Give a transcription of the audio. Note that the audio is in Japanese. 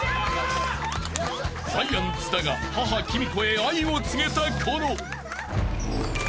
［ダイアン津田が母きみ子へ愛を告げた頃］